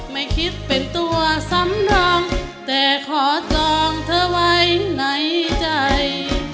ไม่คิดเป็นตัวสำรองแต่ขอจองเธอไว้ในใจ